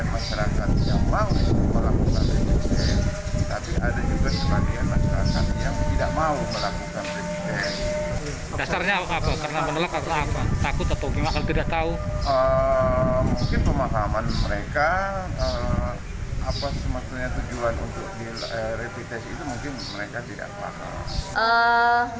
pemahaman mereka apa sebetulnya tujuan untuk di rapid test itu mungkin mereka tidak tahu